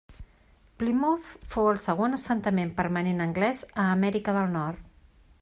Plymouth fou el segon assentament permanent anglès a Amèrica del Nord.